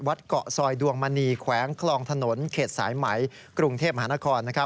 เกาะซอยดวงมณีแขวงคลองถนนเขตสายไหมกรุงเทพมหานคร